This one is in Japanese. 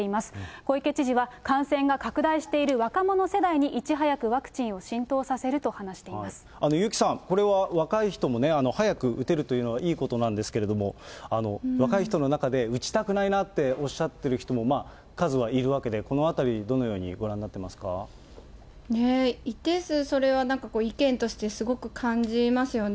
小池知事は感染が拡大している若者世代にいち早くワクチンを浸透優木さん、これは若い人も早く打てるというのはいいことなんですけれども、若い人の中で打ちたくないなっておっしゃってる人も数はいるわけで、このあたりどのようにご覧になってますか。ねえ、一定数それは意見としてすごく感じますよね。